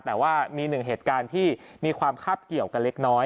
แต่ว่ามีหนึ่งเหตุการณ์ที่มีความคาบเกี่ยวกันเล็กน้อย